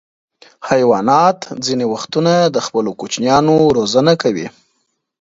حیوانات ځینې وختونه د خپلو کوچنیانو روزنه کوي.